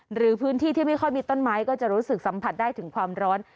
หรือพื้นที่ที่ไม่ค่อยมีต้นไม้ก็จะรู้สึกสัมผัสได้ถึงความร้อน